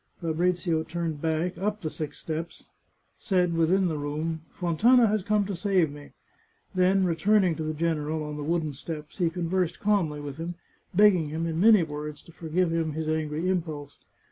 " Fabrizio turned back, up the six steps, said, within the room, " Fontana has come to save me," then, returning to the general, on the wooden steps, he conversed calmly with him, begging him, in many words, to forgive him his ang^ impulse.